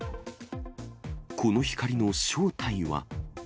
この光の正体は。